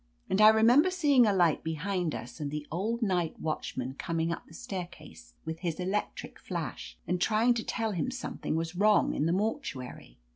And I remember seeing a light behind us and the old night watchman coming up the staircase with his electric flash, and trying to tell him some thing was wrong in the mortuary.